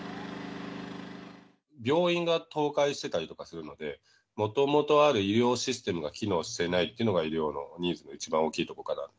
病院が倒壊してたりとかするので、もともとある医療システムが機能してないっていうのが医療のニーズの一番大きいとこかなと。